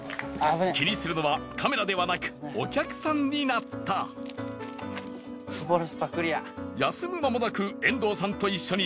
気にするのはカメラではなくお客さんになった休む間もなく遠藤さんと一緒にドリンクの補充